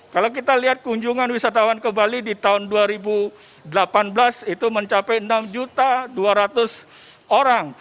kalau kita lihat kunjungan wisatawan ke bali di tahun dua ribu delapan belas itu mencapai enam dua ratus orang